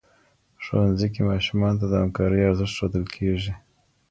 ښوونځي کي ماشومانو ته د همکارۍ ارزښت ښودل کيږي.